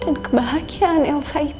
dan kebahagiaan elsa itu